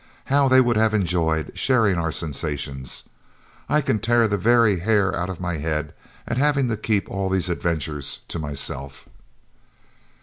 How they would have enjoyed sharing our sensations! I can tear the very hair out of my head at having to keep all these adventures to myself!"